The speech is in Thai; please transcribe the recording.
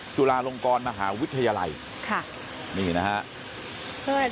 จุฬาลงกรมหาวิทยาลัยค่ะนี่นะฮะ